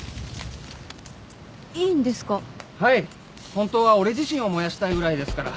ホントは俺自身を燃やしたいぐらいですから。